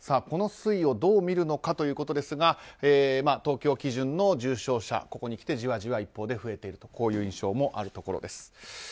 この推移をどう見るのかということですが東京基準の重症者ここにきてじわじわ増えているという印象もあります。